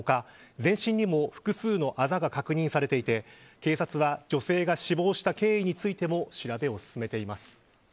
全身にも複数のあざが確認されていて警察は女性が死亡した経緯についても調べを進めています。